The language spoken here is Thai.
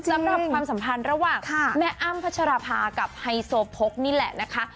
ความสัมพันธ์ระหว่างแม่อ้ำพัชราภากับไฮโซโพกนี่แหละนะคะ